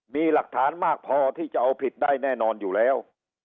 มีหลักฐานมากพอที่จะเอาผิดได้แน่นอนอยู่แล้ว